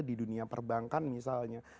di dunia perbankan misalnya